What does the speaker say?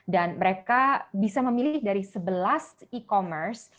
dan mereka bisa memilih dari sebelas e commerce